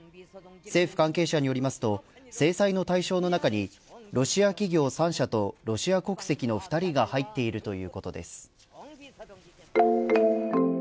政府関係者によりますと制裁の対象の中にロシア企業３社とロシア国籍の２人が入っているということです。